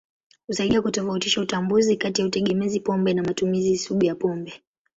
Husaidia kutofautisha utambuzi kati ya utegemezi pombe na matumizi sugu ya pombe.